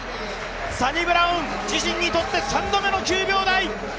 サニブラウン、自身にとっての３度目の９秒台。